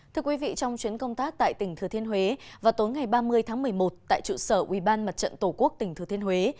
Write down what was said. thưa quý vị trong chuyến công tác tại tỉnh thừa thiên huế vào tối ngày ba mươi tháng một mươi một tại trụ sở ubnd tổ quốc tỉnh thừa thiên huế